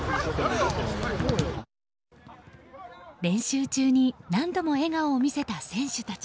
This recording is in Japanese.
練習中に何度も笑顔を見せた選手たち。